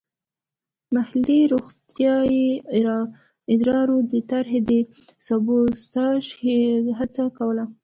محلي روغتیايي ادارو د طرحې د سبوتاژ هڅه کوله.